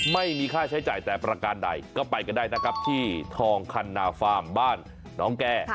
ไม่มีค่าใช้จ่ายแต่ประการใดก็ไปกันได้นะครับที่ทองคันนาฟาร์มบ้านน้องแก้